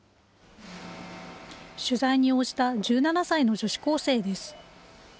取材に応じた１７歳の女子高生です。